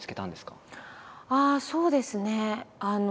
ああそうですね